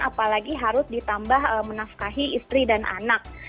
apalagi harus ditambah menafkahi istri dan anak